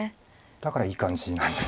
だからいい感じなんです。